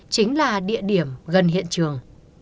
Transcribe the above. chính là địa điểm gần hiện trường